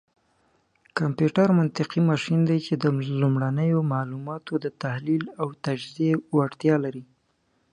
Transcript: کمپيوټر منطقي ماشين دی، چې د لومړنيو معلوماتو دتحليل او تجزيې وړتيا لري.